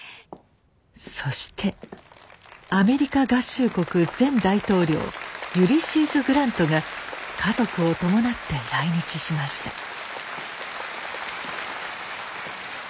そしてアメリカ合衆国前大統領ユリシーズ・グラントが家族を伴って来日しました。